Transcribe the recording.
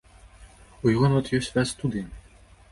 У яго нават ёсць свая студыя!